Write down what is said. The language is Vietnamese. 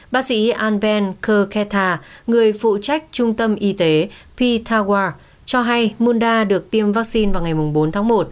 bác sĩ anven kerketa người phụ trách trung tâm y tế pithawar cho hay munda được tiêm vaccine vào ngày bốn tháng một